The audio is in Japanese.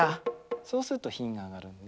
そうすると品が上がるんで。